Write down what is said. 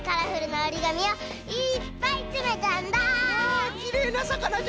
おおきれいなさかなじゃな！